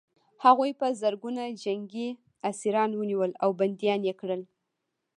هغوی په زرګونه جنګي اسیران ونیول او بندیان یې کړل